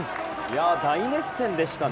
大熱戦でしたね。